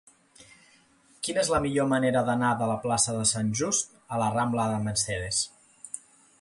Quina és la millor manera d'anar de la plaça de Sant Just a la rambla de Mercedes?